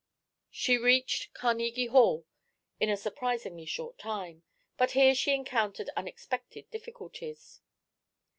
She reached Carnegie Hall in a surprisingly short time, but here she encountered unexpected difficulties.